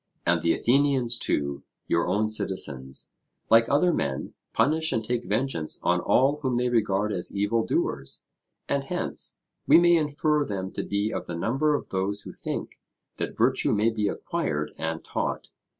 And the Athenians, too, your own citizens, like other men, punish and take vengeance on all whom they regard as evil doers; and hence, we may infer them to be of the number of those who think that virtue may be acquired and taught.